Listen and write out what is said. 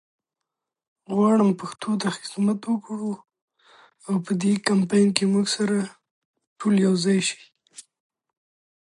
ازادي راډیو د سوله په اړه د روغتیایي اغېزو خبره کړې.